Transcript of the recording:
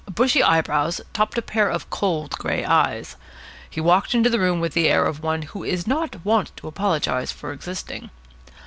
Bushy eyebrows topped a pair of cold grey eyes. He walked into the room with the air of one who is not wont to apologise for existing.